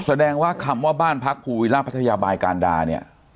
แสดงว่าคำว่าบ้านพักภูวิล่าพัทยาบายการดาเนี่ย